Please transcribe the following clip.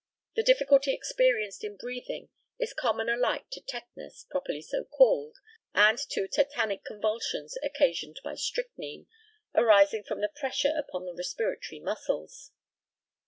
The difficulty experienced in breathing is common alike to tetanus, properly so called, and to tetanic convulsions occasioned by strychnine, arising from the pressure upon the respiratory muscles.